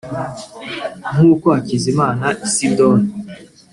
nkuko Hakizimana Isidore